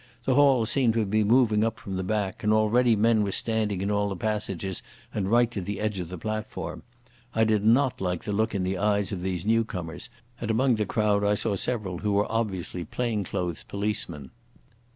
The hall seemed to be moving up from the back, and already men were standing in all the passages and right to the edge of the platform. I did not like the look in the eyes of these new comers, and among the crowd I saw several who were obviously plain clothes policemen.